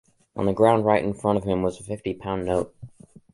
On the ground right in front of him was a fifty pound note.